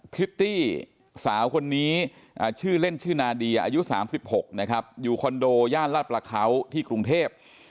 พริตตี้สาวคนนี้ชื่อเล่นชื่อนาเดียอายุ๓๖นะครับอยู่คอนโดย่านลาดประเขาที่กรุงเทพ